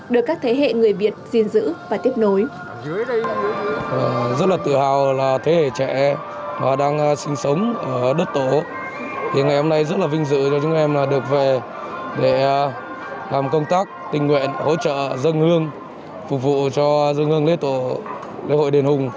được các thế hệ người việt gìn giữ và tiếp nối